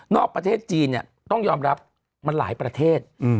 ประเทศจีนเนี่ยต้องยอมรับมันหลายประเทศ